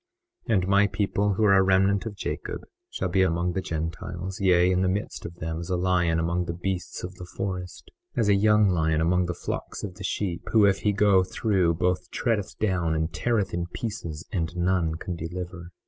21:12 And my people who are a remnant of Jacob shall be among the Gentiles, yea, in the midst of them as a lion among the beasts of the forest, as a young lion among the flocks of sheep, who, if he go through both treadeth down and teareth in pieces, and none can deliver.